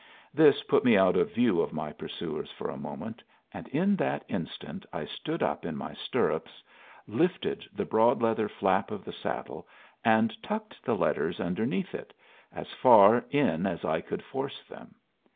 This put me out of view of my pursuers for a moment, and in that instant I stood up in my stirrups, lifted the broad leather flap of the saddle, and tucked the letters underneath it, as far in as I could force them.